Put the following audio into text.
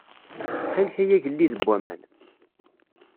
Txil-k ay Agellid n waman.